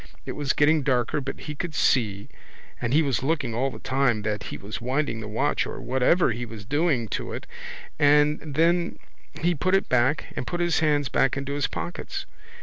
It was getting darker but he could see and he was looking all the time that he was winding the watch or whatever he was doing to it and then he put it back and put his hands back into his pockets.